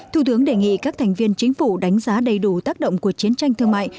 thủ tướng đề nghị các thành viên chính phủ đánh giá đầy đủ tác động của chiến tranh thương mại